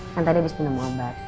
kan tadi habis minum obat